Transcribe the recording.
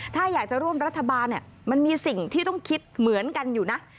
ถ้าอยากจะร่วมรัฐบาลเนี่ยมันมีสิ่งที่ต้องคิดเหมือนกันอยู่นะ